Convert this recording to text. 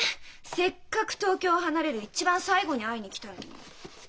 せっかく東京を離れる一番最後に会いに来たのに。